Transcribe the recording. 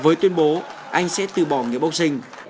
với tuyên bố anh sẽ từ bỏ nghĩa bốc sinh